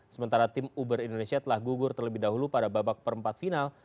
sementara tim uber indonesia telah gugur terlebih dahulu pada babak perempat final